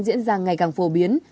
diễn ra ngày càng phổ biến